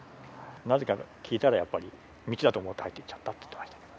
なぜかと聞いたら、やっぱり道だと思って入っていっちゃったって言ってました。